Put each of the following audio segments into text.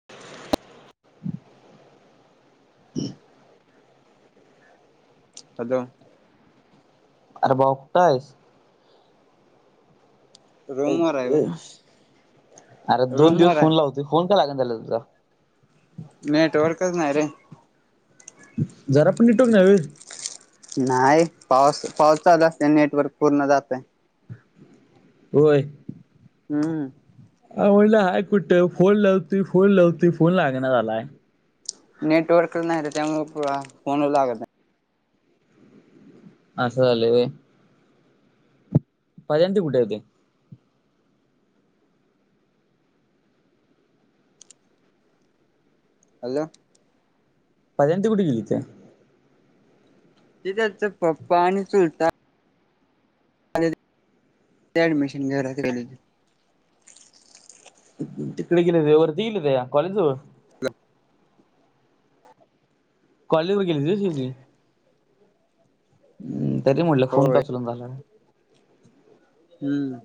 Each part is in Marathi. [inaudible] हॅलो अरे भावा कुठं आहेस रूम वर आहे [unintelligible] ब आरे दोन रूम दिवस वर आहे फोन लावतोय फोन का लागणं झाला तुझा नेटवर्कचं नाही रे जरा पण नेटवर्क नाही व्हयं नाही पाऊस पाऊसं चालु असल्याने नेटवर्क पूर्ण जातयं होय हम्म आहो लाय कुठ फोन लावतोय फोन लावतोय फोन लागना झालायं नेटवर्कच नाहीरे त्यामुळे फो आ फोन लागत नाही असं झाल व्हय पहिल्यांदी कुठे होते हॅलो पहिल्यांदा कुठं गेलीं होती ते त्याच पप्पा आणि चुलता [unintelligible] ॲडमिशन घेऊ राहिली ती तिकडे गेले होते वरती गेले होतेया कॉलेज जवळ [unintelligible] कॉलेजवर गेलीे होती सगळी हम्म तरी म्हटलं फोन का होय उचलना झाला नाही हम्म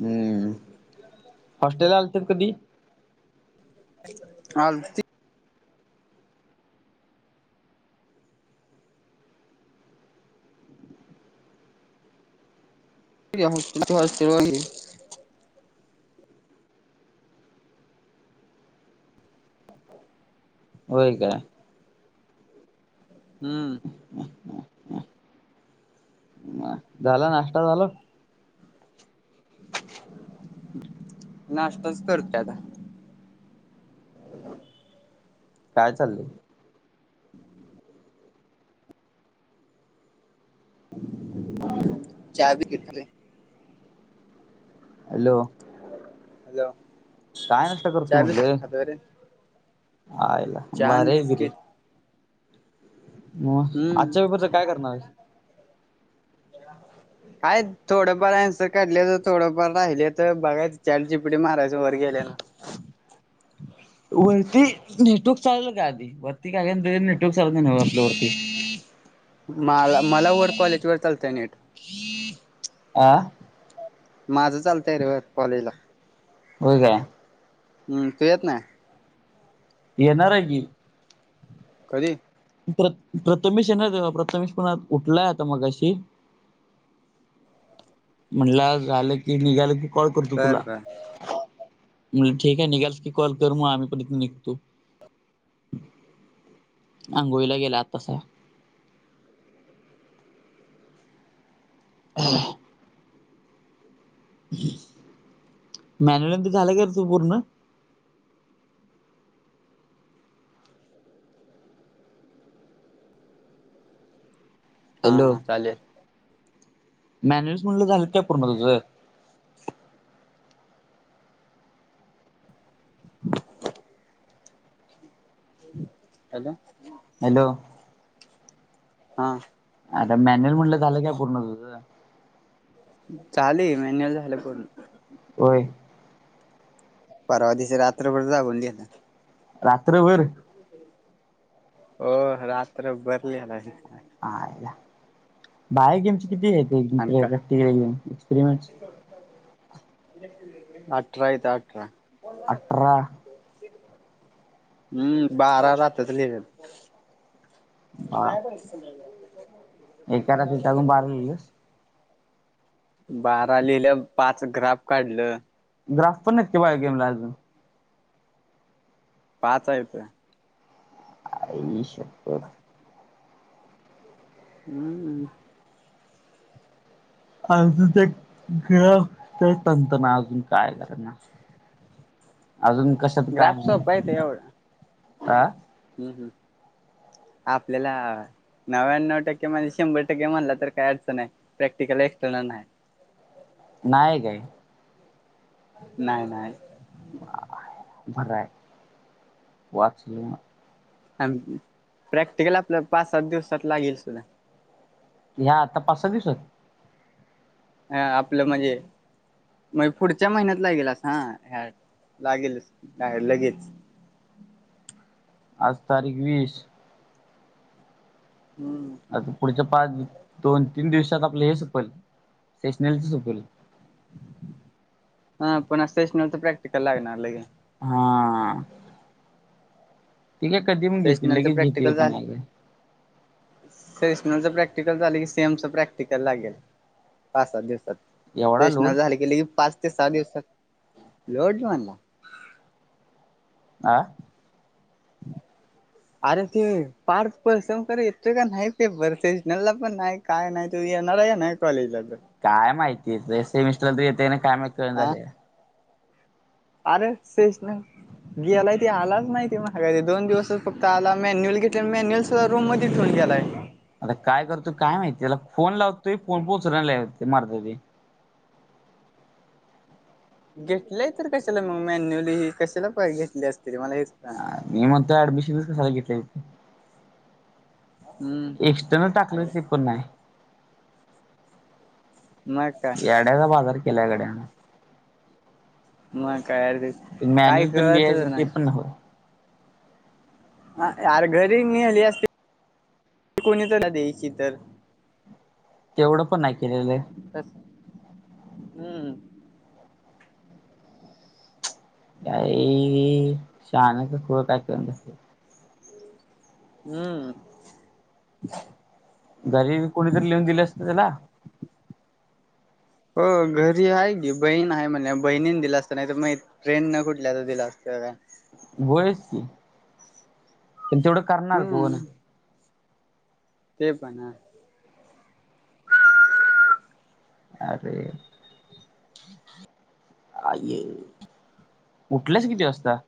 हम्म, हॉस्टेलला आलता का कधी हा आलतो [unintelligible] होय का हम्म झाला नाश्टा झाला नाश्ताचं करतोय आता काय चाललंय [inaudible] चावी किती झाले हॅलो हॅलो काय नाश्ता करतोय चहा बिस्किट म्हणलं खातोय रे यायला चहा आणि भारीय किती बिस्किट मग हम्म आजच्या पेपरच काय करणारेस [unintelligible] काय थोडंफार अॅन्सर काढल्यातं थोडंफार राहिलेत बघायचं चाट जीपीटी मारायचं वर गेल्यानं वरती नेटवर्क चालल का आधी वरती काय रेंज नेटवर्क चालत नाही आपल्या वरती हम् [unintelligible] माला मला वर कॉलेज वर चालतय नेट की [unintelligible] आ माझ चालतय रे बर कॉलेज हो काय हम्म तू येत नाय येणार ये की कधी प्रत प्रथमेश येणार प्रथमेश पण उठलाय आता मगाशी म्हणल झाल की निघाल की कॉल करतो बर तुला बर मग ठीक आहे निघालस की कॉल कर मग आम्ही पण इथून निघतो आंघोळीला गेला आत सार हम्म मॅनुल तर झाल की तो पूर्ण हा हा चालेल मॅन्युल म्हणल झाल काय पूर्ण तुझ हाका हॅलो हा आता मॅन्युअल म्हटल झाल काय पूर्ण तुझ चालू ये मॅन्युअल झाल पूर्ण होय परवा दिस रात्रभर जागवली ये रात्रभर हो रात्र भर लीहालाय बाहे गेम्स किती आहे आणि का घ्यायला एक्सपरिमेंट्स अठरा येत अठरा आठरा हम्म बारा रात्यात लिले जाय पण नि [unintelligible] एकतारातून जागून बारलीस बारा लिहिलन पाच ग्राफ काढल ग्राफच पण नक्की बायो गेमला अजून पाच आहेत आई शप्पथ हम्म अजून काय त ग तंन तंना अजून काय करनार अजून कशात काय ग्राफ नाई सोपा अ हम् हम् आपल्याला नव्याण्णव टक्के म्हणजे शंभर टक्के म्हणला तर काय अडचण नाय प्रॅक्टिकल एक्स्टर्नल नाही नाही ग नाही नाही बाय बराय वाचलो प्रॅक्टिकल आपलं पाच सात दिवसात लागेल सुद्धा, या्या आता पाच, सहा दिवसात, हा आपलं म्हणजे मग पुढच्या महिन्यात लागेल अस हा ह्या लागेल लगेच, आज तारीख वीस हम्म आता पुढच्या पाच दोन, तीन दिवसात आपलं हे सपल सेशनलच सपलं. हा पण अस सेशनल तर प्रॅक्टिकल लागणार लगेच. हा ते काय? कधी पण घेतील सेशनलचं लगेच घेतील पण सेशनलच प्रॅक्टिकल झाले की सेमच प्रॅक्टिकल लागेल. पाच सात दिवसात एवढा सेशनल लोड झाला लगेच की, पाच ते सहा दिवसात लोट म्हटला हा [inaudible] अरे ते पार्थ पलसबंकर येतोय की नाही मेबंर सेशनलला पण नाही. काय नाही तू येणार आहे. का नाही कॉलेजला तर काय माहितीय सेमिस्टरला तरी येते काय माहिती काय कळेना हा झालयं. अरे सेशनल गेलाय तो आलाच माहिती माघारी दोन दिवसच फक्त आला मॅन्युअल घेत मॅन्युअल रूममध्येच ठेऊन गेलाय. आता काय करतोय काय? माहितीय त्याला फोन लावतोय फोन पण उचलत नाही. ले गा मरदा ते घेतलंय तर कशाला मग मॅन्युअली कशाला घेतली असतील मला हेच कळना, मी म्हणतोय ॲडमिशनच कशाला घेतलं. हम्म एक्स्टर्नल टाकलं ते पण नाही. नाही काय? खुळ्याचा बाजार केल्याय गड्या, मग काय अरे ते काय मॅन्युअल पण लिहायच कळतच ते नाही पण आर घरी न्हेली असती. कोणी तर द्यायची तर, तेवढं पण नाही केलेलं. तस हम्म काय शान काय कळना ते, हम्म घरी कोणीतरी लिहून दिले असत त्याला हो घरी आहे की, बहीण आहे म्हटल्यावर बहिणीने दिला असत नाही तर मा फ्रेंडन कुठल्या तरी दिल असत. व्हयच की, हेच येवढं करणार हम्म कोण? ते सांग हा, अरे! [inaudible] आ ये उठलंस किती वाजता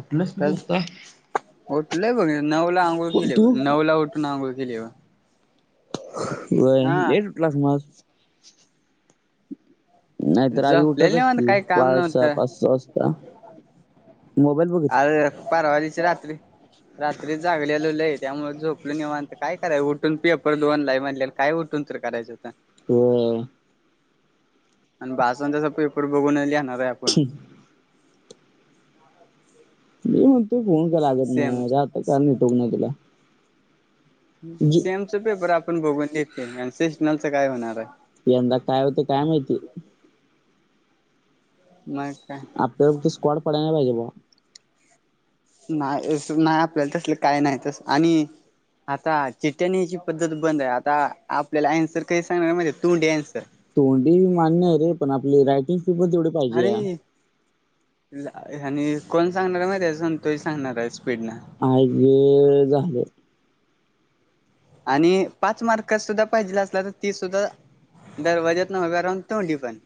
उठल्यास किती वाजता? उठलोय बघ नऊला आंघोळ केली, तू नऊला उटून आंघोळ केलीया बघ. बर हा लेट उठलास मग नाही तर आधी झोपलेलं उठतच निवांत की काही काम पाच सहा, नव्हतं पाच सहा वाजता मोबाईल बघत. अरे परवा दिवशी रात्री रात्री जागल्यालो लय, त्यामुळे झोपलो निवांत काय करायच उठून पेपर दोनला आहे म्हटलं. काय उठून तर करायचं होत. हो आणि [inaudible] पेपर बघून लिहणार आहे, आपण मी म्हणतोय फोन का लागत नाही, सेमच आता कळलं नेटवर्क नाही तुला जी सेमचं पेपर आपण बघून लिहतोय आणि सेसनलचं काय होणार आहे. यंदा काय होतंय काय माहिती. नाही काय आपल्याला स्कॉड पडायला नाही पाहिजे बा नाही नाही आपल्याला तसले काय नाही तसले आणि आता चिठ्ठ्या न्यायची पद्धत बंद आहे आता आपल्याला अन्सर [inaudible] सांगणार माहिती आहे तोंडी अन्सर तोंडी मान्य आहे रे पण आपली रायटिंकपेपर तेवढ अरे आणि कोण सांगणार माहितीये का संतोष सांगणार आहे. स्पीडनं [inaudible] झाले. आणि पाच मार्क सुद्धां पाहिजे असला तर ती सुद्धा दरवाज्यातून उभा राहून तोंडी पण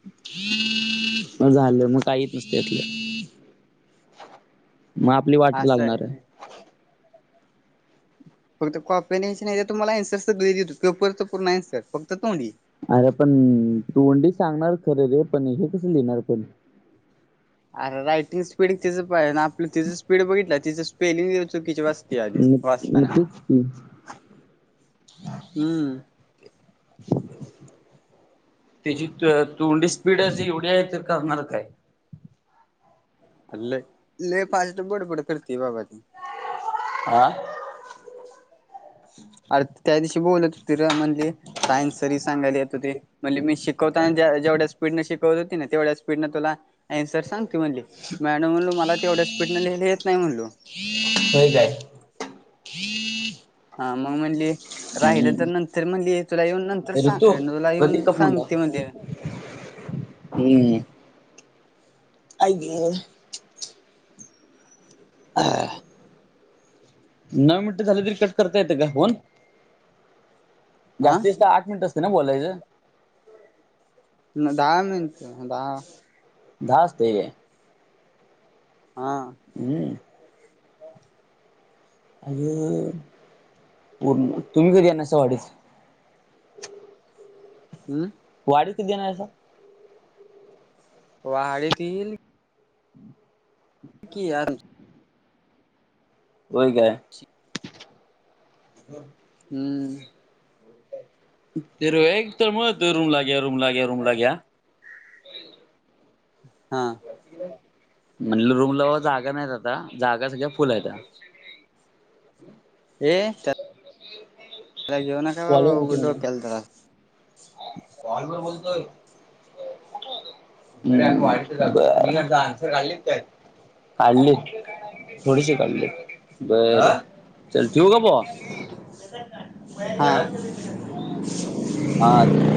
मग झालं मग काय येत नसत्यात त्यातलं मग आपली वाटच लागणार आहे. फक्त कॉफी न्यायच्या नाही, तर तुम्हाला अन्सर सगळी पेपर पूर्ण [inaudible] फक्त तोंडी अरे पण तोंडी सांगणार खरं रे पण हे कसं लिहिणार पण, अरे रायटिंग स्पीड तिचं पाहिजे आपलं तिच स्पीड बघितलं तिचं स्पेलिंग [inaudible] चुकीची वाचते आधीच मग वाचताना. मग तेच की. हम्म तिची तोंडी स्पीड अशी एवढी आहे तर करणार काय, लय लय फास्ट बडबड करतीय बाबा ती आं अरं त्या दिवशी बोलत होती रं म्हणली सायन्स सरी सांगायला येत होते म्हणली मी शिकवताना जेवढ्या स्पीड न शिकवत होती ना तेवढ्या स्पीड न तुला अन्सर सांगते म्हणली मॅडम म्हणलू मला तेवढ्या स्पीडने लिहायला येत नाही म्हणलू व्हय काय ह हा मग म्हणली राहिलं तर नंतर म्हणली तुला येऊन नंतर ऋतू सांग तुला कधी येऊन का फोनला सांगते म्हण हम्म आई गं [unintelligible] नऊ मिनिटं झाली तरी कट करता येतं का फोन हा जास्तीत जास्त आठ मिनिटं [inaudible] बोलायचं दहा मिनिटं दहा दहा असतयं का हा हम्म अगं पूर्ण तुम्ही कधी येणार [inaudible] हम्म वाडी किती देणार आहेस, वहाडीतील [inaudible] कि यात होय काय? हम्म. तर एक तर म त रूमला ग्या रूमला ग्या रूमला ग्या हां. म्हणलो रूमला बा जागा नाहीत आता, जागा सगळ्या फुल आहेता. ये त्याला घेऊ नका बाबा उघ डोक्याला त्रास. कॉल वर बोलतोय. काढलीत. थोडीशी काढलीत बर चल ठेवू का बा? हां. हा चल.